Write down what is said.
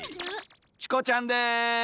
チコちゃんです。